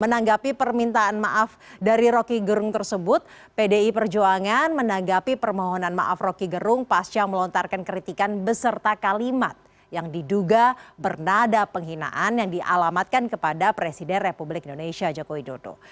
menanggapi permintaan maaf dari rocky gerung tersebut pdi perjuangan menanggapi permohonan maaf roky gerung pasca melontarkan kritikan beserta kalimat yang diduga bernada penghinaan yang dialamatkan kepada presiden republik indonesia joko widodo